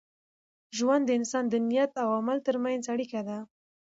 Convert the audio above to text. ژوند د انسان د نیت او عمل تر منځ اړیکه ده.